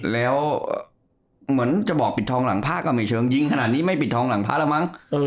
แล้วเหมือนจะบอกปิดทองหลังพระก็ไม่เชิงยิงขนาดนี้ไม่ปิดทองหลังพระแล้วมั้ง